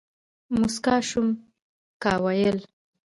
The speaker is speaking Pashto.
موسکا شوم ، کا ويل ،